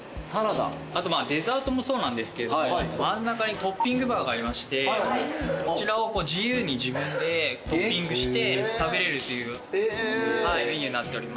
あとデザートもそうなんですけれども真ん中にトッピングバーがありましてこちらを自由に自分でトッピングして食べれるというメニューになっております。